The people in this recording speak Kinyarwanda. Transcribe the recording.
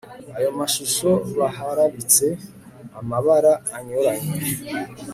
ayo mashusho baharabitse amabara anyuranye